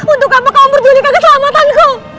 untuk apa kamu memperdulikan keselamatanku